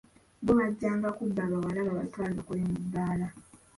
Bo bajjanga kuba bawala, babatwale, bakole mu bbaala.